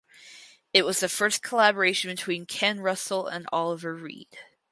It was the first collaboration between Ken Russell and Oliver Reed.